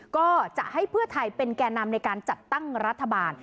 ก็จะให้เพื่อไทยเป็นแก่นำในการจัดตั้งรัฐบาล